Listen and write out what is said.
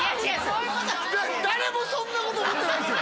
誰もそんなこと思ってないですよ